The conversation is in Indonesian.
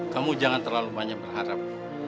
kamu jangan terlalu banyak berharap